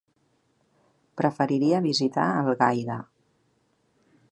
Preferiria visitar Algaida.